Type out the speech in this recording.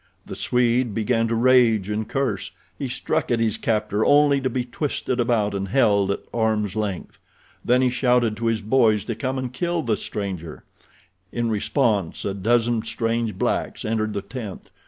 The Swede began to rage and curse. He struck at his captor, only to be twisted about and held at arm's length. Then he shouted to his boys to come and kill the stranger. In response a dozen strange blacks entered the tent.